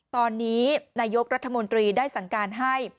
ตอนนี้นายกรัฐมนตรีได้สั่งการให้